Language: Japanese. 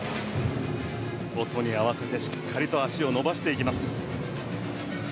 音に合わせてしっかりと脚を伸ばしていきます。